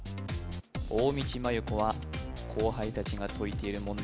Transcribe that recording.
大道麻優子は後輩たちが解いている問題